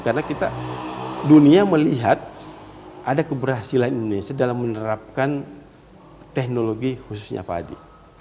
karena kita dunia melihat ada keberhasilan indonesia dalam menerapkan teknologi khususnya pak adi